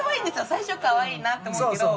最初は可愛いなって思うけど。